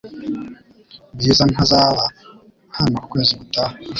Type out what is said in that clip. Bwiza ntazaba hano ukwezi gutaha .